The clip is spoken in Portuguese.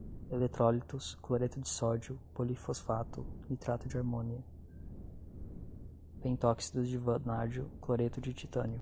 eletrólitos, cloreto de sódio, polifosfato, nitrato de armônia, pentóxido de vanádio, cloreto de titânio